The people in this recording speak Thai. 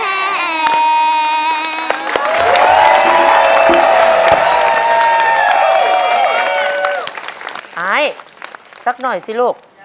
ไอซ์สักหน่อยสิลูก